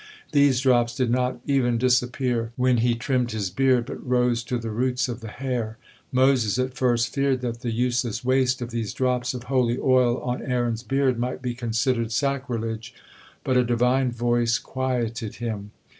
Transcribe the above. These drops did not even disappear when he trimmed his beard, but rose to the roots of the hair. Moses at first feared that the useless waste of these drops of holy oil on Aaron's beard might be considered sacrilege, but a Divine voice quieted him.